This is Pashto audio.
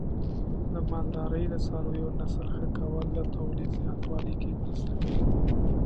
د مالدارۍ د څارویو نسل ښه کول د تولید زیاتوالي کې مرسته کوي.